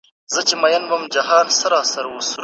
زلمو لاريون وکړ زلمو ويل موږ له کاره باسي